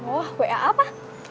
oh wa apa